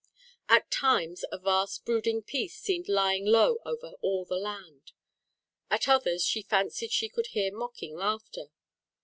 At times, a vast brooding peace seemed lying low over all the land. At others, she fancied she could hear mocking laughter.